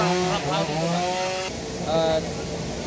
terlalu laut itu pak